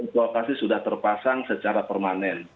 lokasi sudah terpasang secara permanen